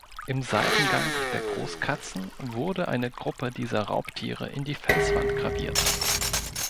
Im Seitengang der Großkatzen wurde eine Gruppe dieser Raubtiere in die Felswand graviert.